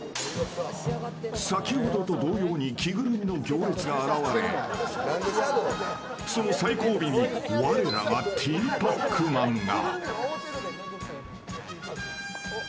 先ほどと同様に着ぐるみの行列が現れその最後尾に我らがティーパックマンが。